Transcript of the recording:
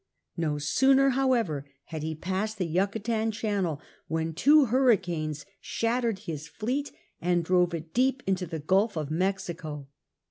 No sooner, however, had he passed the Yucatan channel than two hurricanes shattered his fleet and drove it deep into the Gulf of Mexico.